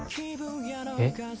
えっ？